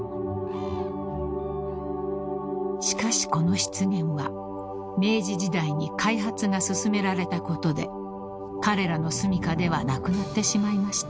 ［しかしこの湿原は明治時代に開発が進められたことで彼らのすみかではなくなってしまいました］